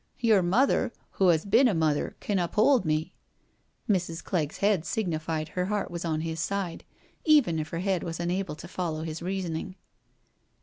Your mother, who 'as bin a mother, can uphold me.'* Mrs. Clegg's head signified her heart was on his side, even if her head was unable to follow his reasoning.